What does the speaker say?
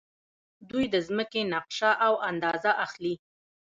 دوی د ځمکې نقشه او اندازه اخلي.